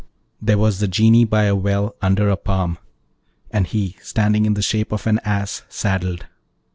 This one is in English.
there was the Genie by a well under a palm, and he standing in the shape of an Ass, saddled.